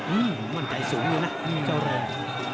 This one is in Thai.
อื้มมั่นใจสูงอยู่นะเจ้าเริง